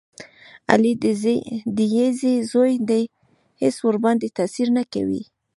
علي د یږې زوی دی هېڅ ورباندې تاثیر نه کوي.